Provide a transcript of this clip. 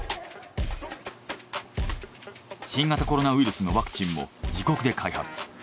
新型コロナウイルスのワクチンも自国で開発。